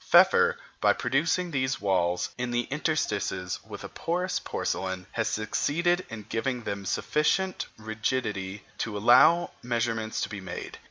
Pfeffer, by producing these walls in the interstices of a porous porcelain, has succeeded in giving them sufficient rigidity to allow measurements to be made.